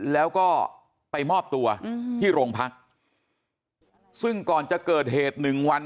แล้วก็ไปมอบตัวที่โรงพักซึ่งก่อนจะเกิดเหตุหนึ่งวัน